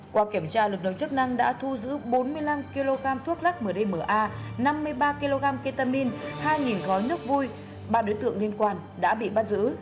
qua kiểm tra lực lượng chức năng đã thu giữ bốn mươi năm kg thuốc lắc mdma năm mươi ba kg ketamin hai gói nước vui ba đối tượng liên quan đã bị bắt giữ